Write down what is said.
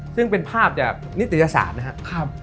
ซึ่งเป็นภาพจากนิตญาศาสตร์